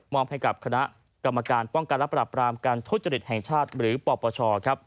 ให้กับคณะกรรมการป้องกันและปรับรามการทุจริตแห่งชาติหรือปปช